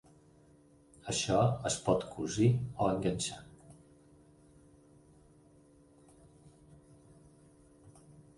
Això es pot cosir o enganxar.